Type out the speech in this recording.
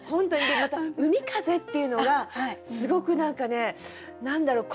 でまた「海風」っていうのがすごく何かね何だろう。